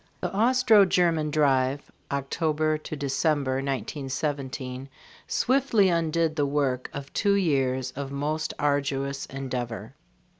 The Austro German drive (October December, 1917) swiftly undid the work of two years of most arduous endeavor.